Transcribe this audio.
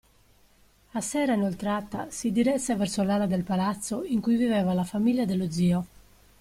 A sera inoltrata si diresse verso l'ala del Palazzo in cui viveva la famiglia dello zio.